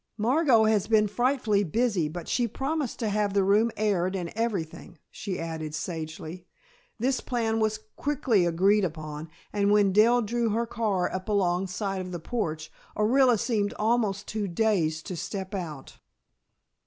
Margot has been frightfully busy, but she promised to have the room aired and everything," she added sagely. This plan was quickly agreed upon, and when Dell drew her car up alongside of the porch, Orilla seemed almost too dazed to step out.